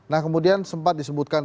nah kemudian sempat disebutkan